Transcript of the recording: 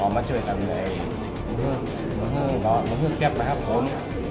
มาช่วยกันที่มหาผล